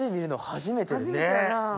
初めてやな。